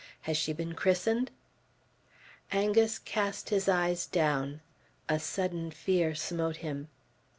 Has she been christened?" Angus cast his eyes down. A sudden fear smote him.